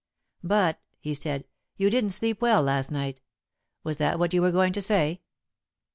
"But," he said, "you didn't sleep well last night. Was that what you were going to say?"